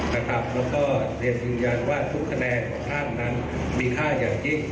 แล้วก็เรียนยืนยันว่าทุกคะแนนของท่านนั้นมีค่าอย่างยิ่ง